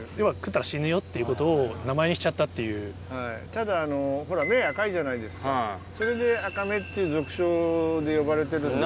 ただほら目赤いじゃないですかそれでアカメっていう俗称で呼ばれてるんです。